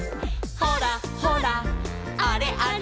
「ほらほらあれあれ」